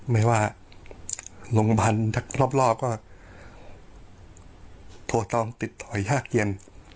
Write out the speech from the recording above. ไม่ว่าโรงพยาบาลถ้าพรอบก็โทรต้องติดต่อหยากเย็น